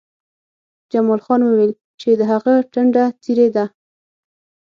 جمال خان وویل چې د هغه ټنډه څیرې ده